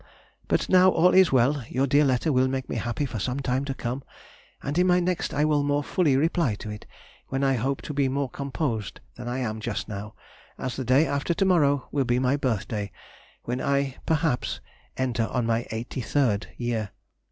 But now all is well; your dear letter will make me happy for some time to come, and in my next I will more fully reply to it, when I hope to be more composed than I am just now, as the day after to morrow will be my birthday, when I, perhaps, enter on my eighty third year.